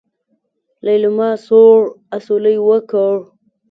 ليلما سوړ اسوېلی وکړ.